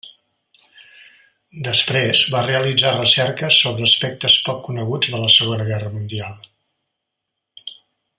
Després va realitzar recerques sobre aspectes poc coneguts de la Segona Guerra Mundial.